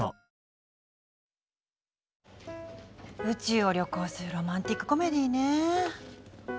宇宙を旅行するロマンチックコメディーね。